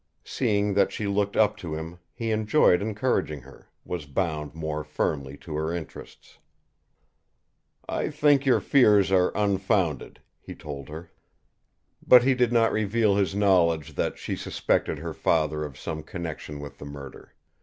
Seeing that she looked up to him, he enjoyed encouraging her, was bound more firmly to her interests. "I think your fears are unfounded," he told her. But he did not reveal his knowledge that she suspected her father of some connection with the murder.